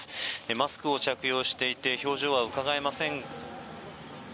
マスクを着用していて表情はうかがえません。